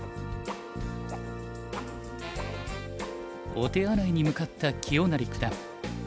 お手洗いに向かった清成九段。